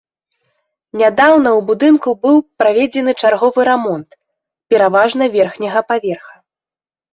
Нядаўна ў будынку быў праведзены чарговы рамонт, пераважна верхняга паверха.